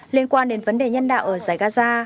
liên quan đến vấn đề nhân đạo ở giải gaza